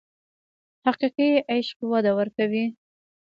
حقیقي عشق وده ورکوي.